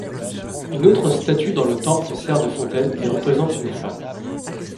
Une autre statue dans le temple sert de fontaine et représente une femme.